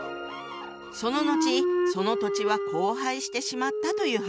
その後その土地は荒廃してしまったという話よ。